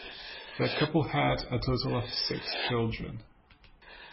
The couple had a total of six children.